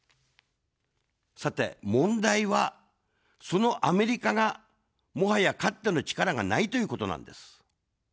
さて問題は、そのアメリカが、もはや、かっての力がないということなんです。